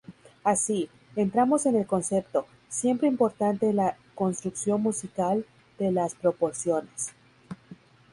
Así, entramos en el concepto, siempre importante en la construcción musical, de las proporciones.